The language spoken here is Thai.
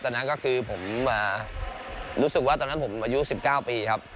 ตอนนั้นก็คือผมรู้สึกว่าตอนนั้นผมอายุ๑๙ปีครับ